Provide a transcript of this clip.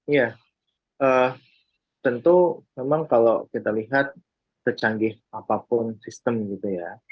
ya tentu memang kalau kita lihat secanggih apapun sistem gitu ya